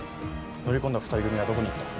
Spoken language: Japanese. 乗り込んだ２人組はどこに行った？